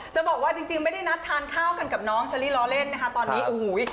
จะบอกว่าจริงไม่ได้นัดทานข้าวกันกับน้องเชอรี่ล้อเล่นนะคะตอนนี้โอ้โห